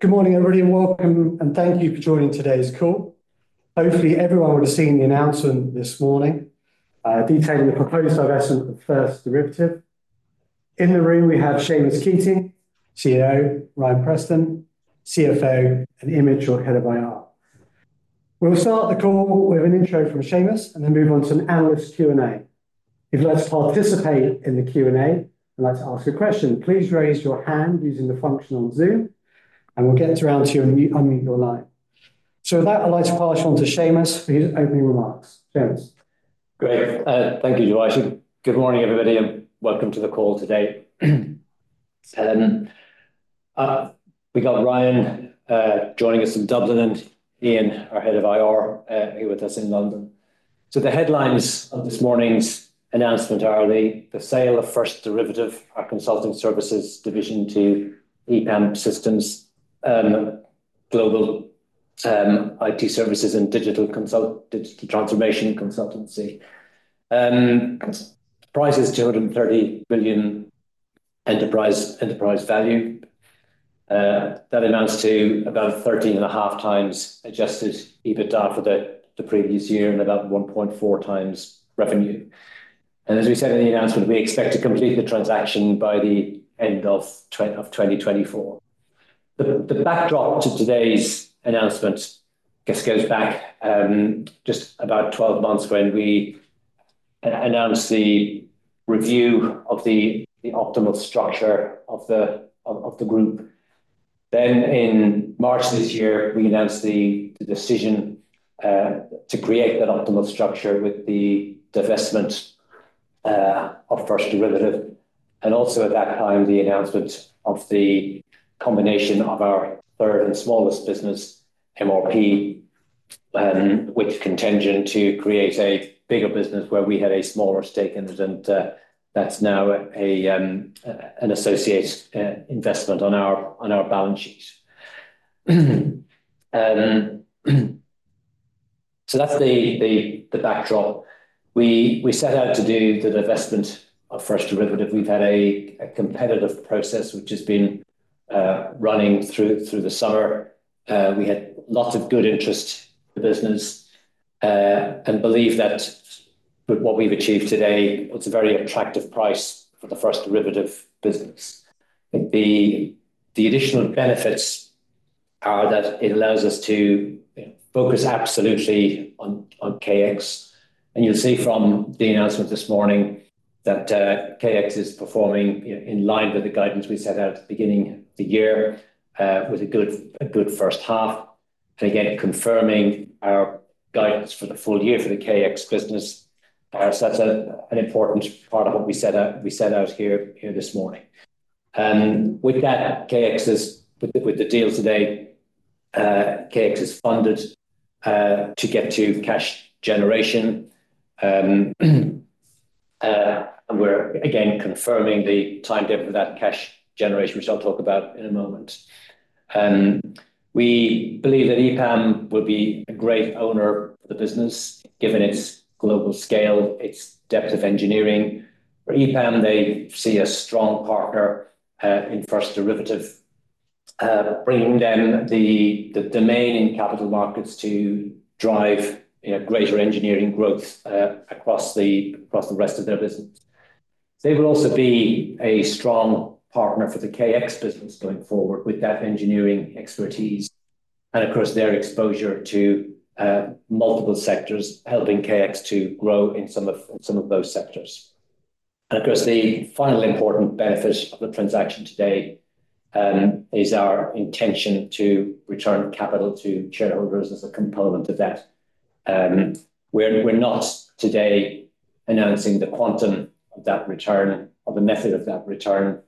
Good morning, everybody, and welcome, and thank you for joining today's call. Hopefully, everyone would have seen the announcement this morning, detailing the proposed divestment of First Derivative. In the room, we have Seamus Keating, CEO, Ryan Preston, CFO, and Ian Mitchell, head of IR. We'll start the call with an intro from Seamus and then move on to an analyst Q&A. If you'd like to participate in the Q&A, I'd like to ask a question. Please raise your hand using the function on Zoom, and we'll get around to you and mute, unmute your line. So with that, I'd like to pass you on to Seamus for his opening remarks. Seamus? Great. Thank you, Joshua. Good morning, everybody, and welcome to the call today. We got Ryan joining us from Dublin and Ian, our head of IR, here with us in London. So the headlines of this morning's announcement are the sale of First Derivative, our consulting services division to EPAM Systems, global IT services and digital transformation and consultancy. Price is 230 million Enterprise Value. That amounts to about 13.5x Adjusted EBITDA for the previous year and about 1.4x revenue. And as we said in the announcement, we expect to complete the transaction by the end of 2024. The backdrop to today's announcement, I guess, goes back just about twelve months when we announced the review of the optimal structure of the group. Then in March this year, we announced the decision to create that optimal structure with the divestment of First Derivative. And also at that time, the announcement of the combination of our third and smallest business, MRP with CONTENTgine to create a bigger business where we had a smaller stake in it, and that's now an associate investment on our balance sheet. So that's the backdrop. We set out to do the divestment of First Derivative. We've had a competitive process, which has been running through the summer. We had lots of good interest in the business, and believe that with what we've achieved today, it's a very attractive price for the First Derivative business. The additional benefits are that it allows us to focus absolutely on KX. You'll see from the announcement this morning that KX is performing in line with the guidance we set out at the beginning of the year, with a good first half. Again, confirming our guidance for the full year for the KX business. So that's an important part of what we set out here this morning. With the deal today, KX is funded to get to cash generation. And we're again confirming the time given for that cash generation, which I'll talk about in a moment. We believe that EPAM would be a great owner of the business, given its global scale, its depth of engineering. For EPAM, they see a strong partner in First Derivative, bringing them the domain in capital markets to drive, you know, greater engineering growth across the rest of their business. They will also be a strong partner for the KX business going forward with that engineering expertise, and of course, their exposure to multiple sectors, helping KX to grow in some of those sectors. And of course, the final important benefit of the transaction today is our intention to return capital to shareholders as a component of that. We're not today announcing the quantum of that return or the method of that return,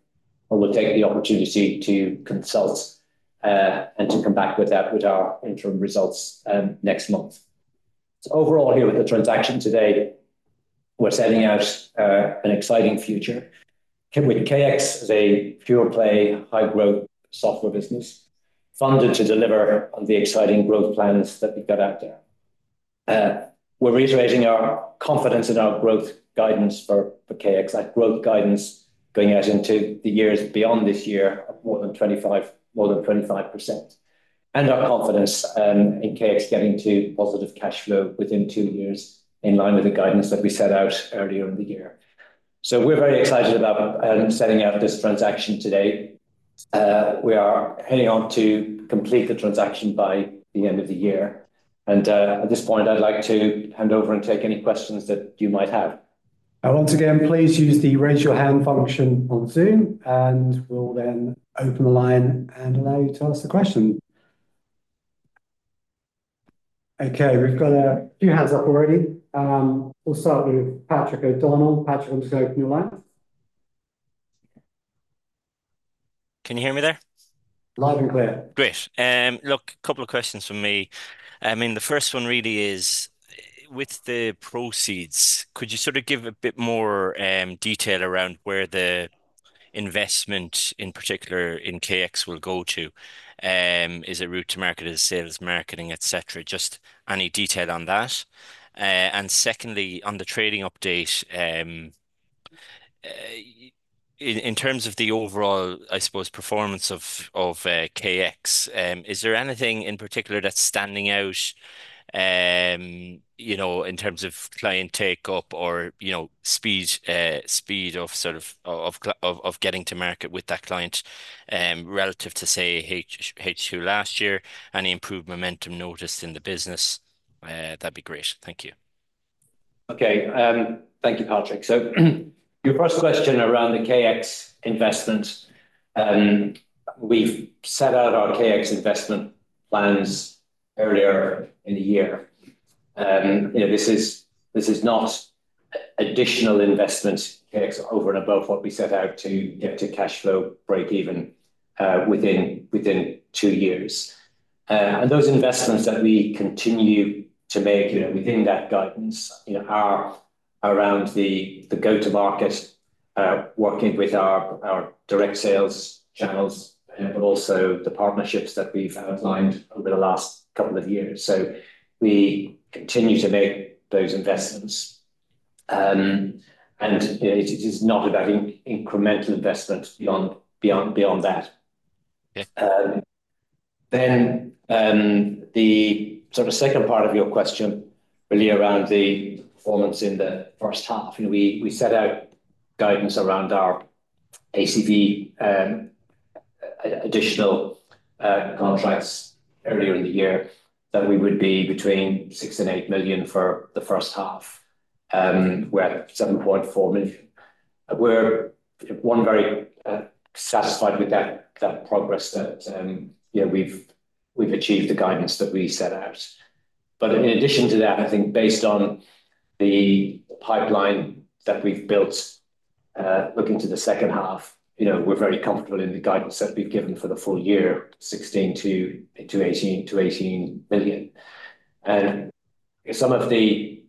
but we'll take the opportunity to consult and to come back with that with our interim results next month. Overall, here with the transaction today, we're setting out an exciting future. With KX as a pure-play, high-growth software business, funded to deliver on the exciting growth plans that we've got out there. We're reiterating our confidence in our growth guidance for KX. That growth guidance going out into the years beyond this year, of more than 25%. Our confidence in KX getting to positive cash flow within two years, in line with the guidance that we set out earlier in the year. We're very excited about setting out this transaction today. We are heading on to complete the transaction by the end of the year. At this point, I'd like to hand over and take any questions that you might have. Once again, please use the Raise Your Hand function on Zoom, and we'll then open the line and allow you to ask the question. Okay, we've got a few hands up already. We'll start with Patrick O'Donnell. Patrick, would you open your line? Can you hear me there? Loud and clear. Great. Look, a couple of questions from me. I mean, the first one really is, with the proceeds, could you sort of give a bit more, detail around where the investment, in particular in KX, will go to? Is it route to market, is it sales, marketing, et cetera? Just any detail on that. And secondly, on the trading update, in terms of the overall, I suppose, performance of KX, is there anything in particular that's standing out, you know, in terms of client take-up or, you know, speed of getting to market with that client, relative to, say, H2 last year, any improved momentum noticed in the business? That'd be great. Thank you. Okay. Thank you, Patrick. So, your first question around the KX investment, we've set out our KX investment plans earlier in the year. You know, this is not additional investment KX over and above what we set out to get to cash flow breakeven within two years. And those investments that we continue to make, you know, within that guidance, you know, are around the go-to-market, working with our direct sales channels, but also the partnerships that we've outlined over the last couple of years. So we continue to make those investments. And, you know, it is not about incremental investment beyond that. Yeah. Then, the sort of second part of your question, really around the performance in the first half, you know, we set out guidance around our ACV, additional contracts earlier in the year, that we would be between 6 million and 8 million for the first half. We're at 7.4 million. We're very satisfied with that progress that, you know, we've achieved the guidance that we set out. But in addition to that, I think based on the pipeline that we've built, looking to the second half, you know, we're very comfortable in the guidance that we've given for the full year, 16 million to 18 million. Some of the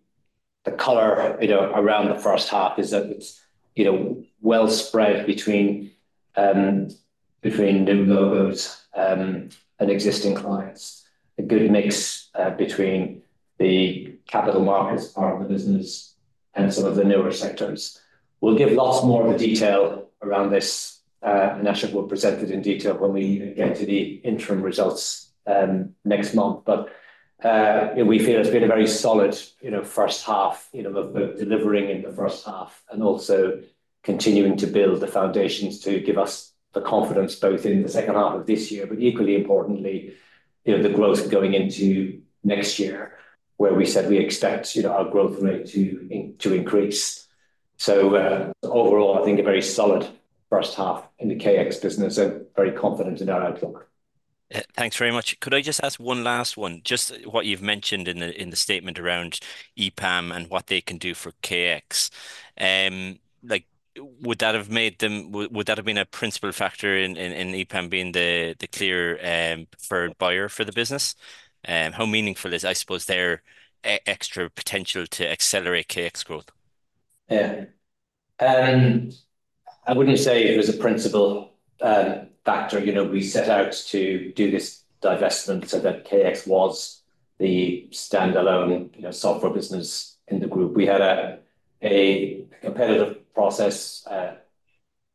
color, you know, around the first half is that it's, you know, well spread between new logos and existing clients. A good mix between the capital markets part of the business and some of the newer sectors. We'll give lots more of the detail around this, and actually we'll present it in detail when we get to the interim results next month, but we feel it's been a very solid, you know, first half, you know, of delivering in the first half, and also continuing to build the foundations to give us the confidence, both in the second half of this year, but equally importantly, you know, the growth going into next year, where we said we expect, you know, our growth rate to increase, so overall, I think a very solid first half in the KX business, and very confident in our outlook. Thanks very much. Could I just ask one last one? Just what you've mentioned in the statement around EPAM and what they can do for KX. Like, would that have made them... Would that have been a principal factor in EPAM being the clear preferred buyer for the business? How meaningful is, I suppose, their extra potential to accelerate KX growth? Yeah. I wouldn't say it was a principal factor. You know, we set out to do this divestment so that KX was the standalone, you know, software business in the group. We had a competitive process,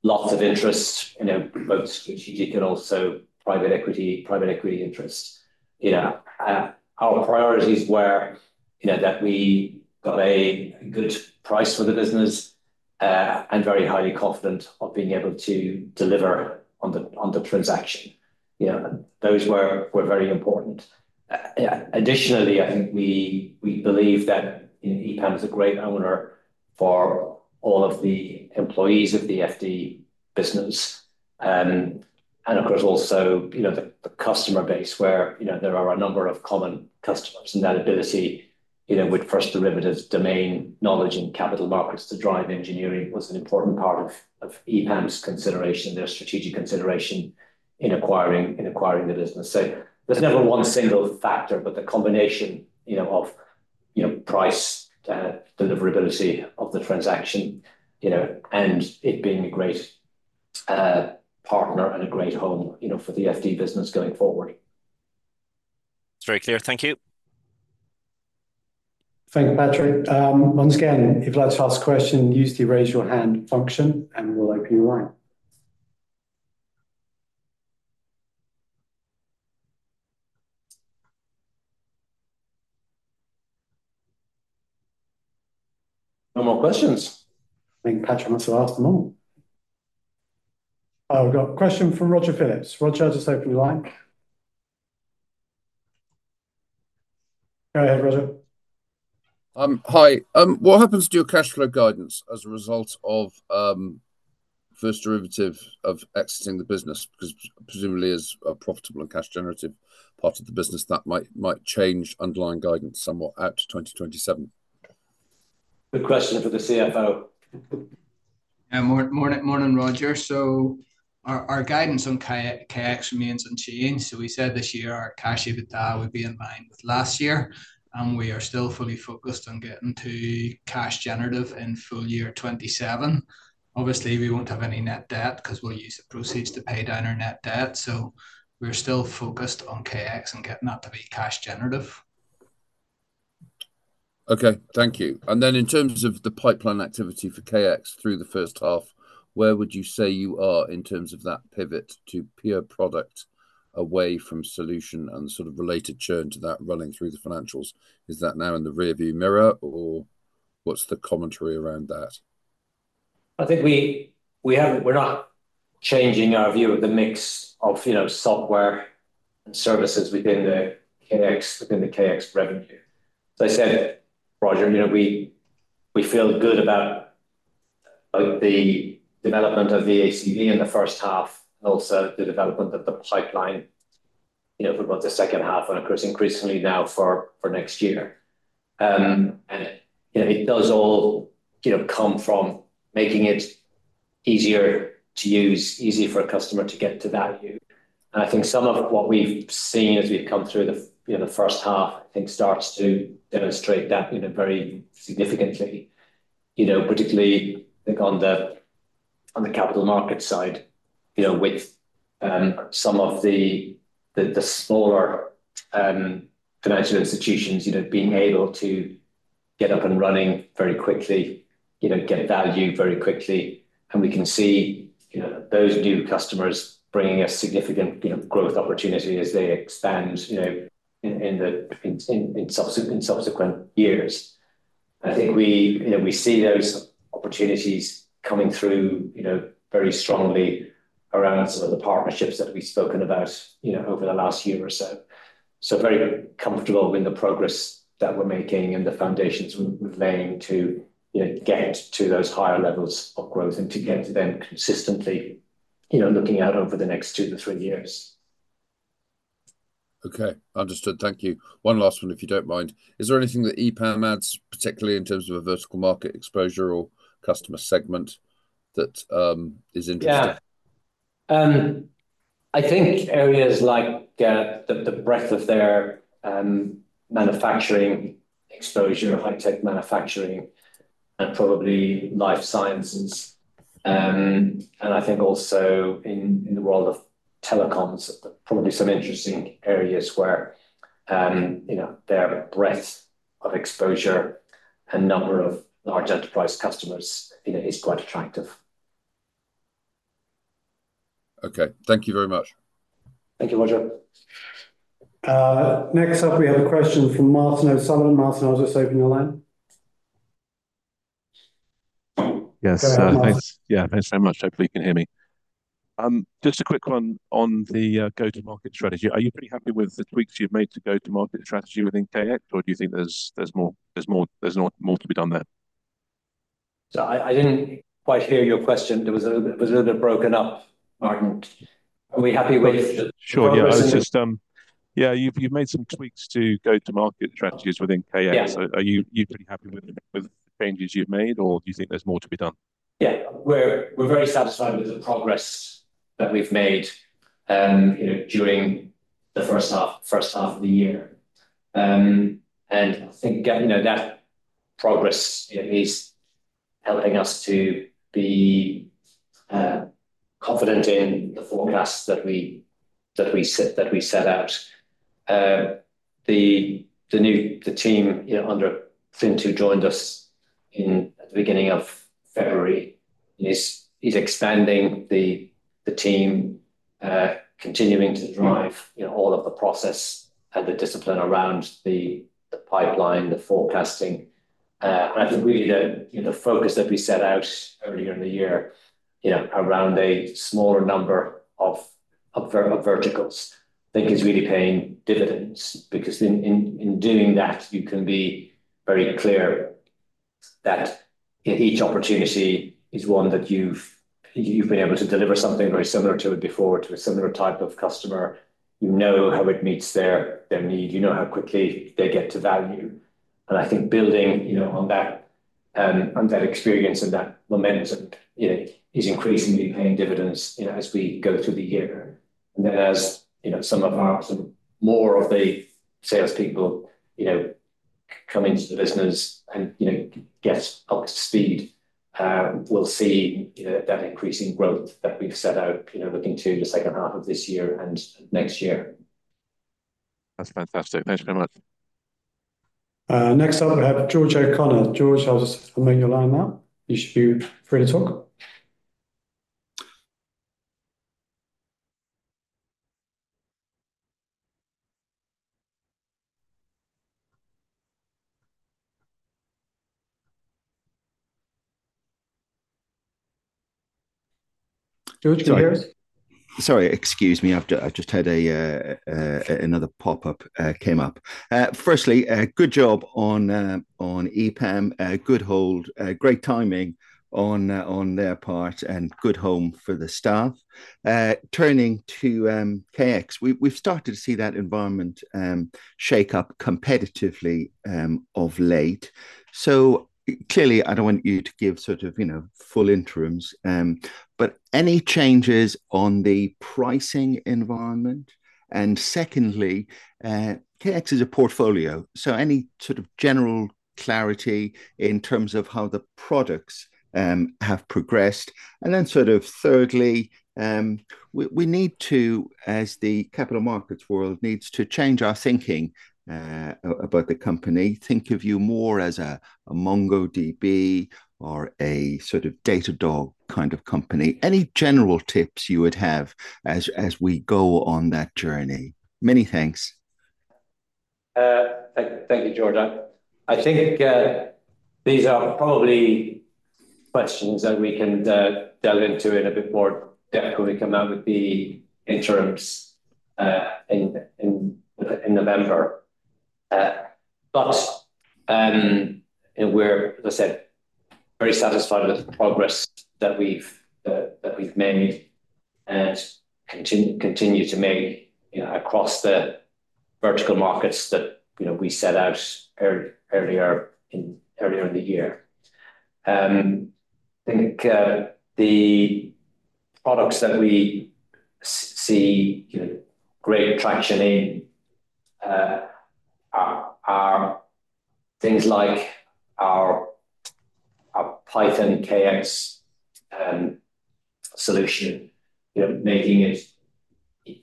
lots of interest, you know, both strategic and also private equity interest. You know, our priorities were, you know, that we got a good price for the business, and very highly confident of being able to deliver on the transaction. You know, those were very important. Additionally, I think we believe that EPAM is a great owner for all of the employees of the FD business. And of course, also, you know, the customer base, where, you know, there are a number of common customers, and that ability, you know, with First Derivative's domain knowledge, and capital markets to drive engineering was an important part of EPAM's consideration, their strategic consideration in acquiring the business. So there's never one single factor, but the combination, you know, of price, deliverability of the transaction, you know, and it being a great partner and a great home, you know, for the FD business going forward. It's very clear. Thank you. Thank you, Patrick. Once again, if you'd like to ask a question, use the Raise Your Hand function, and we'll open your line. No more questions. I think Patrick must have asked them all. Oh, we've got a question from Roger Phillips. Roger, just open your line. Go ahead, Roger. Hi. What happens to your cash flow guidance as a result of First Derivative exiting the business? Because presumably, as a profitable and cash generative part of the business, that might change underlying guidance somewhat out to 2027. Good question for the CFO. Morning, Roger. Our guidance on KX remains unchanged. We said this year our Cash EBITDA would be in line with last year, and we are still fully focused on getting to cash generative in full year 2027. Obviously, we won't have any net debt, because we'll use the proceeds to pay down our net debt. We're still focused on KX and getting that to be cash generative.... Okay, thank you. And then in terms of the pipeline activity for KX through the first half, where would you say you are in terms of that pivot to pure product away from solution and sort of related churn to that running through the financials? Is that now in the rearview mirror, or what's the commentary around that? I think we haven't. We're not changing our view of the mix of, you know, software and services within the KX, within the KX revenue. As I said, Roger, you know, we feel good about the development of the ACV in the first half, and also the development of the pipeline, you know, for the second half, and of course, increasingly now for next year. And, you know, it does all, you know, come from making it easier to use, easier for a customer to get to value. I think some of what we've seen as we've come through the, you know, the first half, I think, starts to demonstrate that, you know, very significantly. You know, particularly I think on the capital market side, you know, with some of the smaller financial institutions, you know, being able to get up and running very quickly, you know, get value very quickly, and we can see those new customers bringing us significant growth opportunity as they expand in subsequent years. I think we see those opportunities coming through very strongly around some of the partnerships that we've spoken about over the last year or so, so very comfortable with the progress that we're making and the foundations we're laying to get to those higher levels of growth and to get to them consistently, you know, looking out over the next two to three years. Okay, understood. Thank you. One last one, if you don't mind. Is there anything that EPAM adds, particularly in terms of a vertical market exposure or customer segment that is interesting? Yeah. I think areas like the breadth of their manufacturing exposure, high-tech manufacturing, and probably life sciences, and I think also in the world of telecoms, probably some interesting areas where, you know, their breadth of exposure and number of large enterprise customers, you know, is quite attractive. Okay. Thank you very much. Thank you, Roger. Next up, we have a question from Martin O'Sullivan. Martin, I'll just open your line. Yes, uh- Go ahead, Martin. Thanks. Yeah, thanks very much. Hopefully, you can hear me. Just a quick one on the go-to-market strategy. Are you pretty happy with the tweaks you've made to go-to-market strategy within KX, or do you think there's more to be done there? Sorry, I didn't quite hear your question. It was a little broken up, Martin. Are we happy with the progress- Sure, yeah. I was just... Yeah, you've made some tweaks to go-to-market strategies within KX. Yeah. Are you pretty happy with the changes you've made, or do you think there's more to be done? Yeah. We're very satisfied with the progress that we've made, you know, during the first half of the year. And I think, you know, that progress is helping us to be confident in the forecasts that we set out. The new team, you know, under Fintan joined us in the beginning of February, is expanding the team, continuing to drive, you know, all of the process and the discipline around the pipeline, the forecasting. And I think really the, you know, focus that we set out earlier in the year, you know, around a smaller number of verticals, I think is really paying dividends. Because in doing that, you can be very clear that each opportunity is one that you've been able to deliver something very similar to it before, to a similar type of customer. You know how it meets their need, you know how quickly they get to value. And I think building, you know, on that experience and that momentum, you know, is increasingly paying dividends, you know, as we go through the year. And then as, you know, some more of the salespeople, you know, come into the business and, you know, get up to speed, we'll see, you know, that increasing growth that we've set out, you know, looking to the second half of this year and next year. That's fantastic. Thanks very much. Next up, we have George O'Connor. George, I'll just open your line now. You should be free to talk. George, can you hear us? Sorry, excuse me. I've just had another pop-up came up. Firstly, good job on EPAM. A good hold, great timing on their part, and good home for the staff. Turning to KX, we've started to see that environment shake up competitively of late. So clearly, I don't want you to give sort of, you know, full interims, but any changes on the pricing environment? And secondly, KX is a portfolio, so any sort of general clarity in terms of how the products have progressed. And then sort of thirdly, we need to, as the capital markets world needs to change our thinking about the company. Think of you more as a MongoDB or a sort of Datadog kind of company. Any general tips you would have as we go on that journey? Many thanks. Thank you, George. I think these are probably questions that we can delve into in a bit more depth when we come out with the interims in November. But, as I said, we're very satisfied with the progress that we've made and continue to make, you know, across the vertical markets that, you know, we set out earlier in the year. I think the products that we see, you know, great traction in are things like our Python KX solution. You know, making it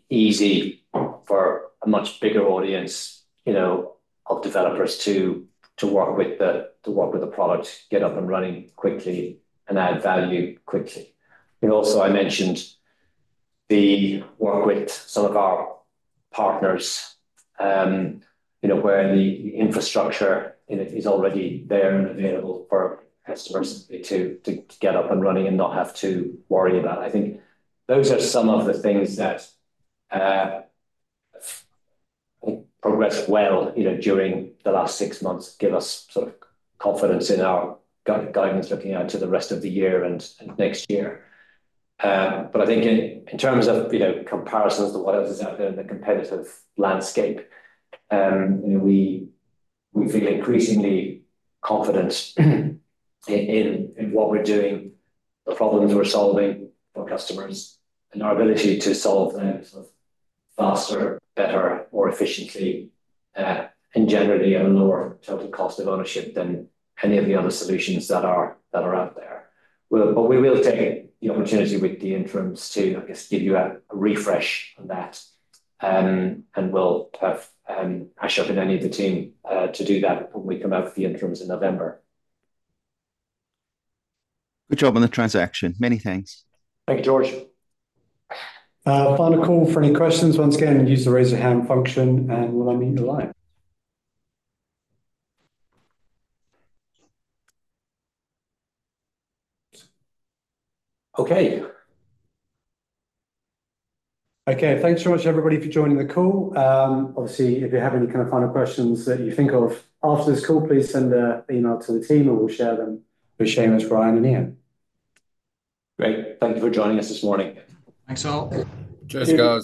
easy for a much bigger audience, you know, of developers to work with the product, get up and running quickly, and add value quickly. And also, I mentioned the work with some of our partners, you know, where the infrastructure, you know, is already there and available for customers to get up and running and not have to worry about. I think those are some of the things that progressed well, you know, during the last six months, give us sort of confidence in our guidance looking out to the rest of the year and next year. But I think in terms of, you know, comparisons to what else is out there in the competitive landscape, you know, we feel increasingly confident in what we're doing, the problems we're solving for customers, and our ability to solve them sort of faster, better, more efficiently, and generally at a lower total cost of ownership than any of the other solutions that are out there. But we will take the opportunity with the interims to, I guess, give you a refresh on that, and we'll have Ashok and any of the team to do that when we come out with the interims in November. Good job on the transaction. Many thanks. Thank you, George. Final call for any questions. Once again, use the Raise Your Hand function, and we'll unmute the line. Okay. Okay. Thanks so much, everybody, for joining the call. Obviously, if you have any kind of final questions that you think of after this call, please send an email to the team and we'll share them with Seamus, Ryan, and Ian. Great. Thank you for joining us this morning. Thanks, all. Cheers, guys.`